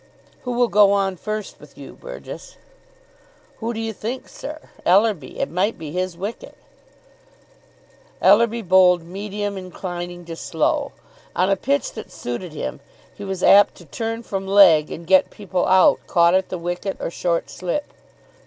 "Who will go on first with you, Burgess?" "Who do you think, sir? Ellerby? It might be his wicket." Ellerby bowled medium inclining to slow. On a pitch that suited him he was apt to turn from leg and get people out caught at the wicket or short slip.